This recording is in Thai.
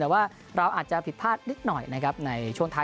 แต่ว่าเราอาจจะผิดพลาดนิดหน่อยนะครับในช่วงท้าย